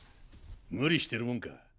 無理してるもんか。